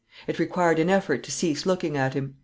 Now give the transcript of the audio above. It required an effort to cease looking at him.